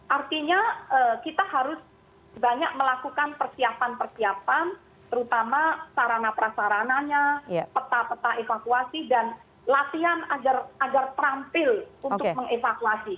artinya kita harus banyak melakukan persiapan persiapan terutama sarana prasarananya peta peta evakuasi dan latihan agar terampil untuk mengevakuasi